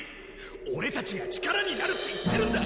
オレたちが力になるって言ってるんだ！